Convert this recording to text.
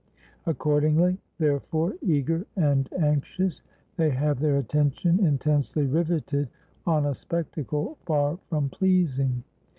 Accordingly, there fore, eager and anxious, they have their attention in tensely riveted on a spectacle far from pleasing.